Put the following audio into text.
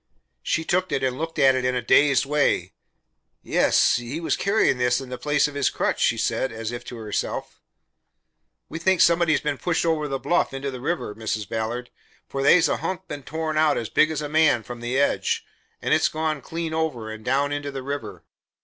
She took it and looked at it in a dazed way. "Yes. He was carrying this in the place of his crutch," she said, as if to herself. "We think somebody's been pushed over the bluff into the river, Mrs. Ballard, for they's a hunk been tore out as big as a man, from the edge, and it's gone clean over, and down into the river.